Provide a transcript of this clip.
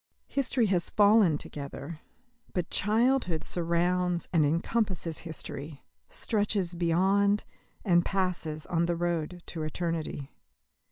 History has fallen together, but childhood surrounds and encompasses history, stretches beyond and passes on the road to eternity.